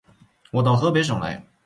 我到河北省来